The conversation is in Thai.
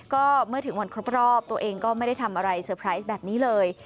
ก็เมื่อถึงวันครบรอบตัวเองก็ไม่ได้ทำอะไรเซอร์ไพรส์แบบนี้เลย